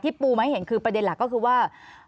ปูมาให้เห็นคือประเด็นหลักก็คือว่า